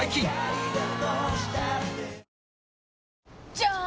じゃーん！